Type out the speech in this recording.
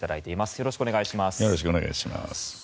よろしくお願いします。